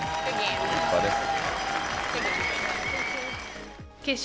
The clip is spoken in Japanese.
立派です。